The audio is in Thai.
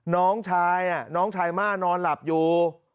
น้องชายน้องชายม่านอนหลับอยู่